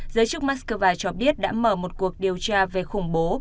giới chức moscow cho biết đã mở một cuộc điều tra về khủng bố